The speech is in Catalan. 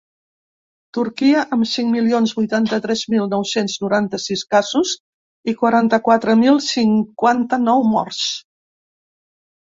Turquia, amb cinc milions vuitanta-tres mil nou-cents noranta-sis casos i quaranta-quatre mil cinquanta-nou morts.